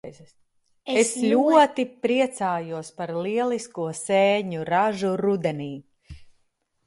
Es ļoti priecājos par lielisko sēņu ražu rudenī.